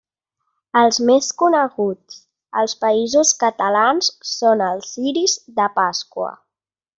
Els més coneguts als Països Catalans són els ciris de Pasqua.